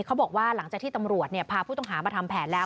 หลังจากที่ตำรวจพาผู้ต้องหามาทำแผนแล้ว